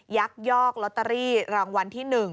ยักยอกลอตเตอรี่รางวัลที่๑